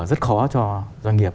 rất khó cho doanh nghiệp